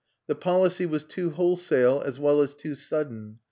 The policy was too wholesale as well as too sudden.